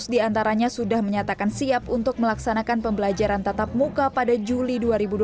dua dua ratus di antaranya sudah menyatakan siap untuk melaksanakan pembelajaran tatap muka pada juli dua ribu dua puluh satu